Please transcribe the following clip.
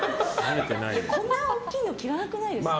こんなに大きいの切らなくないですか？